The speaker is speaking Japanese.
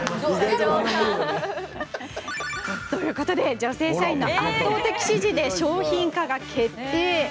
女性社員の圧倒的支持で商品化が決定。